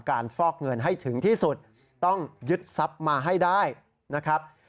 ฟอกเงินให้ถึงที่สุดต้องยึดทรัพย์มาให้ได้นะครับ